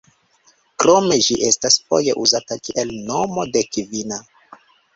Krome ĝi estas foje uzata kiel nomo de kvina.